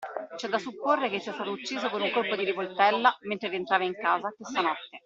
C'è da supporre che sia stato ucciso con un colpo di rivoltella, mentre rientrava in casa, questa notte.